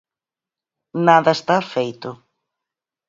Nada está feito.